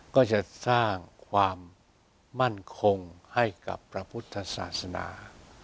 ก็จะสร้างความมั่นคงให้กับพระพุทธศาสนา